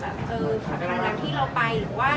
ฝากทางที่เราไปหรือว่า